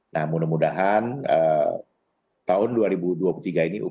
nah mudah mudahan tahun dua ribu dua puluh tiga ini